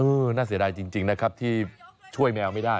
น่าเสียดายจริงนะครับที่ช่วยแมวไม่ได้